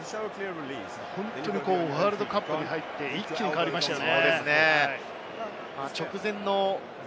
本当にワールドカップに入って、一気に変わりましたよね。